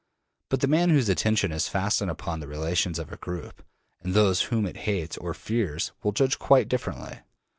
But the man whose attention is fastened upon the relations of a group with those whom it hates or fears will judge quite differently.